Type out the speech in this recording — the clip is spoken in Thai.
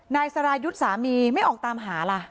นายสรายุทธ์สามีไม่ออกตามหาล่ะ